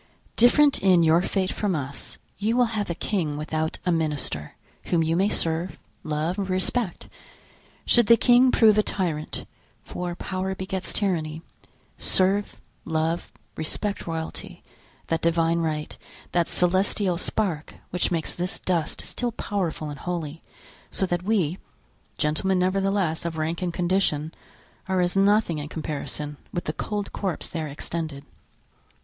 Different in your fate from us, you will have a king without a minister, whom you may serve, love, respect. Should the king prove a tyrant, for power begets tyranny, serve, love, respect royalty, that Divine right, that celestial spark which makes this dust still powerful and holy, so that we—gentlemen, nevertheless, of rank and condition—are as nothing in comparison with the cold corpse there extended."